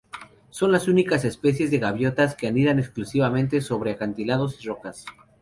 Son las únicas especies de gaviotas que anidan exclusivamente sobre acantilados y rocas.